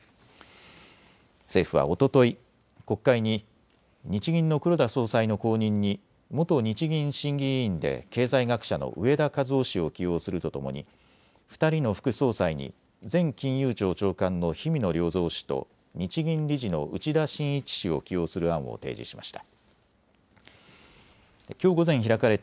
政府はおととい、国会に日銀の黒田総裁の後任に元日銀審議委員で経済学者の植田和男氏を起用するとともに２人の副総裁に前金融庁長官の氷見野良三氏と日銀理事の内田眞一氏を起用する案を提示しました。